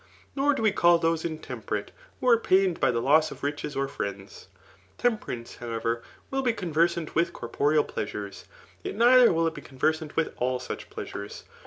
Nor do we call those intemperate who are pained by the loss of riches or friends. Temperance, however, will be con versant with corporeal pleasures, yet neither will it be conversant tnth sJl such pleasures.